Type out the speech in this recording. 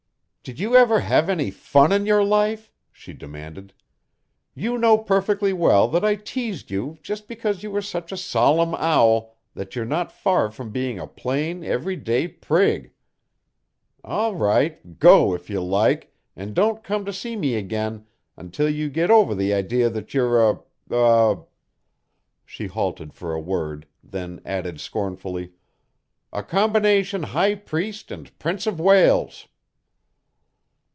"Did you ever have any fun in your life?" she demanded. "You know perfectly well that I teased you just because you were such a solemn owl that you're not far from being a plain, every day prig. All right; go if you like and don't come to see me again until you get over the idea that you're a a " she halted for a word, then added scornfully "a combination high priest and Prince of Wales."